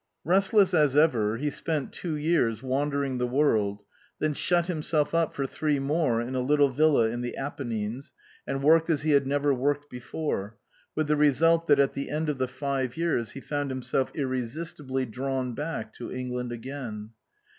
Restless as ever, he spent two years wandering the world, then shut himself up for three more in a little villa in the Apennines, and worked as he had never worked before, with the result that at the end of the five years, he found himself irresistibly drawn back to England again.